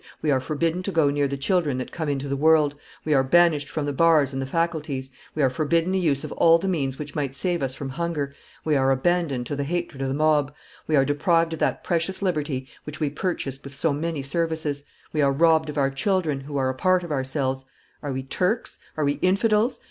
"We are forbidden to go near the children that come into the world, we are banished from the bars and the faculties, we are forbidden the use of all the means which might save us from hunger, we are abandoned to the hatred of the mob, we are deprived of that precious liberty which we purchased with so many services, we are robbed of our children, who are a part of ourselves. ... Are we Turks? Are we infidels?